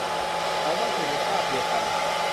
เขามักจะอยู่ในคราบเดียวกัน